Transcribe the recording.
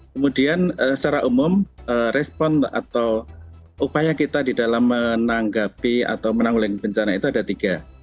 kemudian secara umum respon atau upaya kita di dalam menanggapi atau menanggulangi bencana itu ada tiga